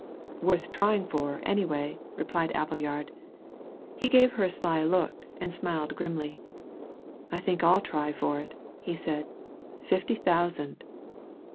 "Worth trying for, anyway!" replied Appleyard. He gave her a sly look, and smiled grimly. "I think I'll try for it," he said. "Fifty thousand!"